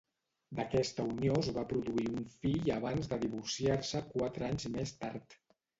D'aquesta unió es va produir un fill abans de divorciar-se quatre anys més tard.